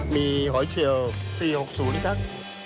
มีหอยเชียว๔๖๐ครับ